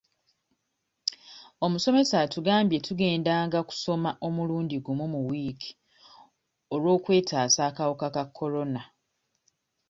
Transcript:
Omusomesa atugambye tugendanga kusoma omulundi gumu mu wiiki olw'okwetaasa akawuka ka Corona.